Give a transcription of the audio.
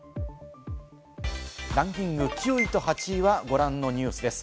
ランキング９位と８位はご覧のニュースです。